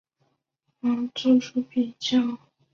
各媒体也有把两人作出比较。